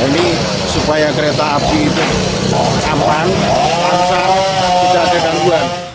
ini supaya kereta api itu aman lancar tidak ada gangguan